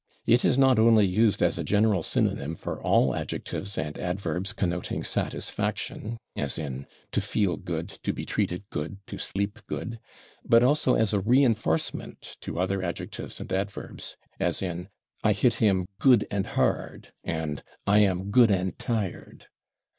It is not only used as a general synonym for all adjectives and adverbs connoting satisfaction, as in /to feel good/, /to be treated good/, /to sleep good/, but also as a reinforcement to other adjectives and adverbs, as in "I hit him /good/ and hard" and "I am /good/ and tired."